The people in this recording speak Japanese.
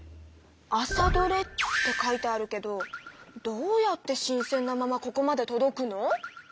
「朝どれ」って書いてあるけどどうやって新鮮なままここまでとどくの？